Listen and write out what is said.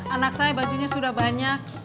anak saya bajunya sudah banyak